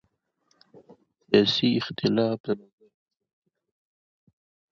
سیاسي اختلاف د نظر ازادي ده